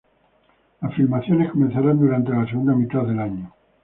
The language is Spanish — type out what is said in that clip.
Las filmaciones comenzarán durante la segunda mitad del año.